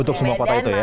untuk semua kota itu ya